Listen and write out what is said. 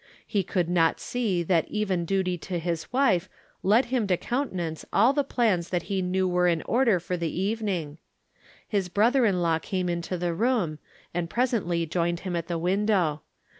He could not see that even &a.tj to his wife led him to countenance all the plans that he knew were in order for the even ing. His brother in law came into the room, and presently joined him at the window.